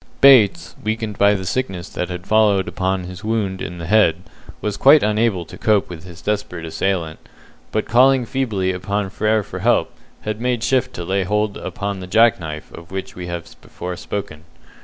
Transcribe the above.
Bates, weakened by the sickness that had followed upon his wound in the head, was quite unable to cope with his desperate assailant, but calling feebly upon Frere for help, had made shift to lay hold upon the jack knife of which we have before spoken.